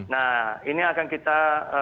nah ini akan kita